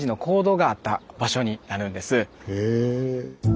へえ。